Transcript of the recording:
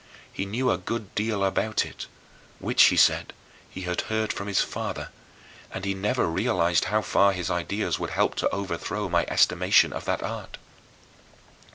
He knew a good, deal about it, which, he said, he had heard from his father, and he never realized how far his ideas would help to overthrow my estimation of that art.